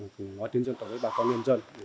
cùng nói tiếng dân tộc với bà con nhân dân